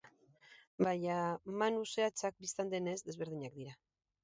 Baina manu zehatzak, bistan denez, desberdinak dira.